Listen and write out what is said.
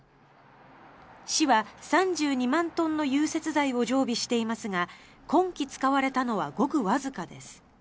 市は３２万トンの融雪剤を常備していますが今季使われたのはごくわずかです。